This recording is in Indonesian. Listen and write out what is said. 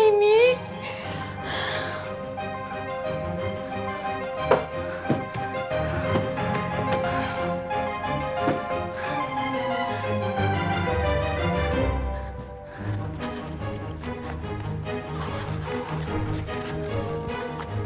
eh kamu sih dang